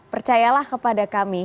percayalah kepada kami